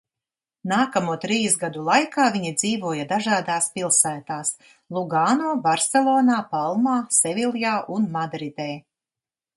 Nākamo trīs gadu laikā viņi dzīvoja dažādās pilsētās: Lugāno, Barselonā, Palmā, Seviljā un Madridē.